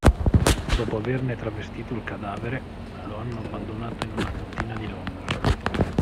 Dopo averne travestito il cadavere, lo hanno abbandonato in una cantina di Londra.